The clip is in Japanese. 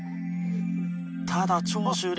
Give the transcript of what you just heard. ただ長州力